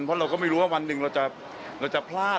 เพราะเราก็ไม่รู้ว่าวันหนึ่งเราจะพลาด